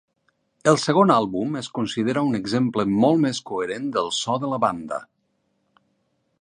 El segon àlbum es considera un exemple molt més coherent del so de la banda.